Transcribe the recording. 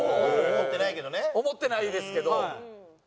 思ってないですけど。